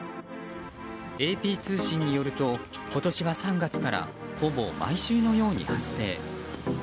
ＡＰ通信によると今年は３月からほぼ毎週のように発生。